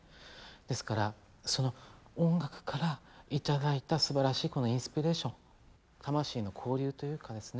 ですからその音楽から頂いたすばらしいこのインスピレーション魂の交流というかですね